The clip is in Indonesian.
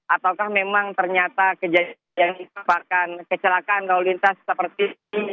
ataukah memang ternyata kejadian kecelakaan lalu lintas seperti ini